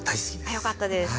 あっよかったです。